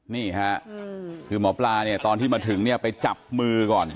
นี่ค่ะคือหมอปลาเนี่ยตอนที่มาถึงเนี่ยไปจับมือก่อน